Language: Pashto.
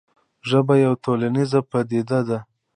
ژبه یوه ټولنیزه پدیده ده.